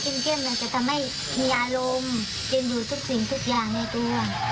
แต่เกียร์บอกว่าเกียร์บอกว่าเกียร์จะให้ตำแหน่ง